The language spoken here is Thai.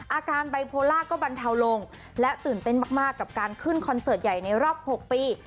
อาการไบโพล่าก็บรรเทาลงและตื่นเต้นมากกับการขึ้นคอนเสิร์ตใหญ่ในรอบ๖ปี